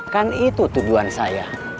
kan itu tujuan saya